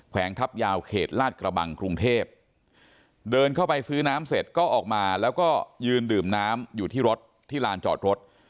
วงทัพยาวเขตลาดกระบังกรุงเทพเดินเข้าไปซื้อน้ำเสร็จก็ออกมาแล้วก็ยืนดื่มน้ำอยู่ที่รถที่ลานจอดรถ